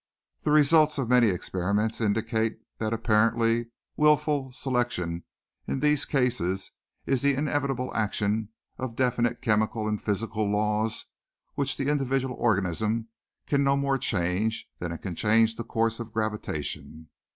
The results of many experiments indicate that the apparently willful selection in these cases is the inevitable action of definite chemical and physical laws which the individual organism can no more change than it can change the course of gravitation.